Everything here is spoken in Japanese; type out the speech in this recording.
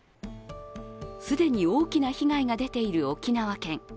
既に大きな被害が出ている沖縄県。